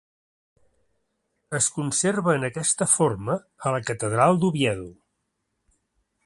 Es conserva en aquesta forma a la Catedral d'Oviedo.